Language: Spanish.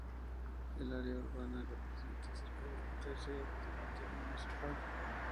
El área urbana representa cerca de un tercio del territorio municipal.